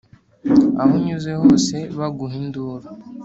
Aho unyuze hose baguha induru,